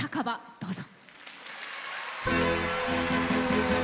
どうぞ。